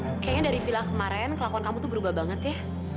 kayaknya dari villa kemarin kelakuan kamu tuh berubah banget ya